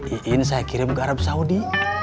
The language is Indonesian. iin saya kirim ke arab saudi